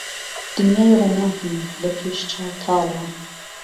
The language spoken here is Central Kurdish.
دنیای رووناکم له پیش چاو تاڵه